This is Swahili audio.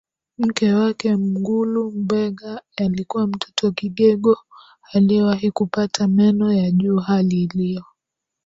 mke wake Mngulu Mbegha alikuwa mtoto kigego aliyewahi kupata meno ya juu hali iliyo